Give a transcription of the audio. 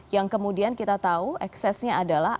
yang kemudian kita tahu eksesnya adalah